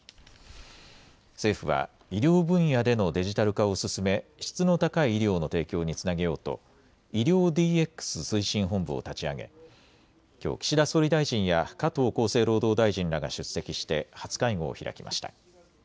政府は医療分野でのデジタル化を進め質の高い医療の提供につなげようと医療ＤＸ推進本部を立ち上げ、きょう、岸田総理大臣や加藤厚生労働大臣らが出席して初会合を開きました。